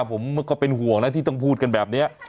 ผมก็เป็นห่วงนะที่ต้องพูดกันแบบนี้